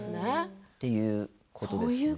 っていうことですね。